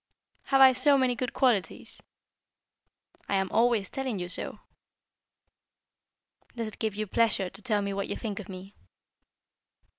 "Have I so many good qualities?" "I am always telling you so." "Does it give you pleasure to tell me what you think of me?"